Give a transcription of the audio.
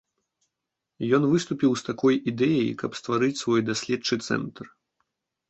Ён выступіў з такой ідэяй, каб стварыць свой даследчы цэнтр.